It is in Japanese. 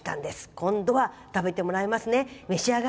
今度は食べてもらいますね。